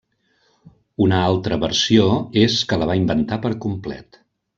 Una altra versió és que la va inventar per complet.